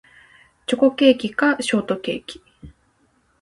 チョコケーキかショートケーキ